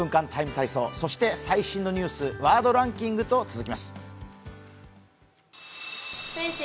体操」、そして最新のニュース、「ワードランキング」と続きます。